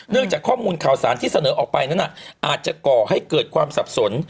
จากข้อมูลข่าวสารที่เสนอออกไปนั้นอาจจะก่อให้เกิดความสับสน